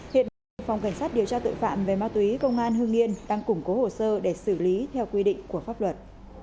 hiện bị phòng cảnh sát điều tra tội phạm về ma túy công an hương yên đang củng cố hồ sơ để xử lý theo quy định của pháp luật